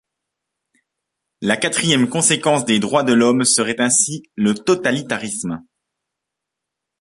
La quatrième conséquence des droits de l’homme serait ainsi le totalitarisme.